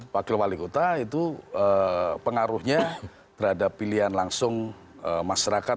wakil wakil wakil itu pengaruhnya terhadap pilihan langsung masyarakat